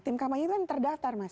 tim kampanye kan terdaftar mas